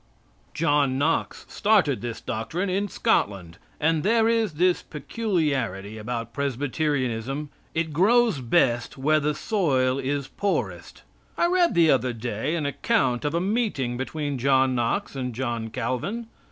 John Knox started this doctrine in Scotland, and there is this peculiarity about Presbyterianism, it grows best where the soil is poorest. I read the other day an account of a meeting between John Knox and John Calvin.